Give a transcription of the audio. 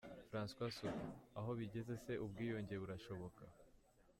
François Soudan: Aho bigeze se ubwiyunge burashoboka?